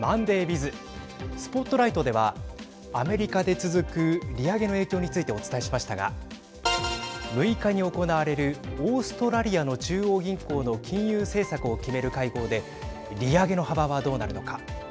ＳＰＯＴＬＩＧＨＴではアメリカで続く利上げの影響についてお伝えしましたが６日に行われるオーストラリアの中央銀行の金融政策を決める会合で利上げの幅はどうなるのか。